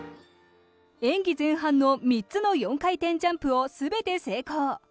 演技前半の３つの４回転ジャンプを全て成功。